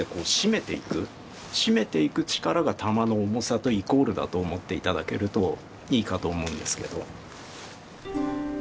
締めていく力が玉の重さとイコールだと思って頂けるといいかと思うんですけど。